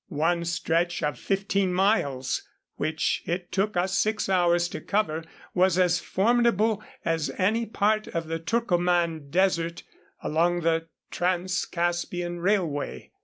One stretch of fifteen miles, which it took us six hours to cover, was as formidable as any part of the Turkoman desert along the Transcaspian railway.